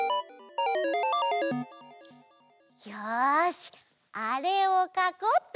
よしあれをかこうっと！